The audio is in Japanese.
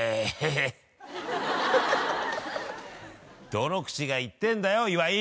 どの口が言ってんだよ岩井。